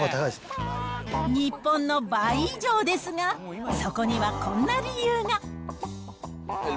日本の倍以上ですが、そこにはこんな理由が。